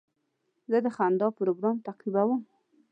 زه د خندا پروګرام تعقیبوم.